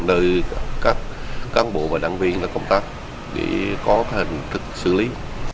nơi các bộ và đảng viên đã công tác để có hành thực xử lý